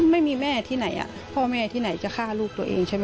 ไม่มีแม่ที่ไหนพ่อแม่ที่ไหนจะฆ่าลูกตัวเองใช่ไหม